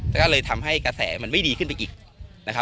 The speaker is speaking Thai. แล้วก็เลยทำให้กระแสมันไม่ดีขึ้นไปอีกนะครับ